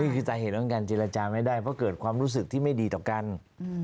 สาเหตุของการเจรจาไม่ได้เพราะเกิดความรู้สึกที่ไม่ดีต่อกัน